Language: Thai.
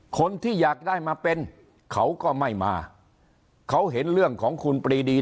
คนที่อยากได้มาเป็นเขาก็ไม่มาเขาเห็นเรื่องของคุณปรีดี